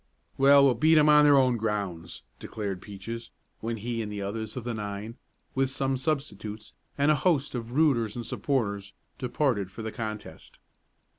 "Well, we'll beat 'em on their own grounds!" declared Peaches, when he and the others of the nine, with some substitutes, and a host of "rooters" and supporters, departed for the contest.